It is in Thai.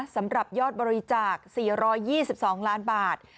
สำหรับยอดบริจาค๔๒๒ล้านบาท